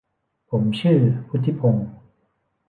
ผมชื่อพุฒิพงศ์